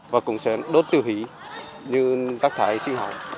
và cũng sẽ đốt tiêu hủy như rác thải sinh học